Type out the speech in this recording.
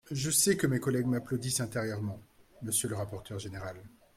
Je sais que mes collègues m’applaudissent intérieurement, monsieur le rapporteur général